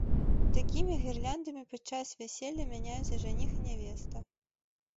Такімі гірляндамі падчас вяселля мяняюцца жаніх і нявеста.